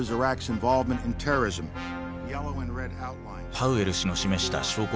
パウエル氏の示した証拠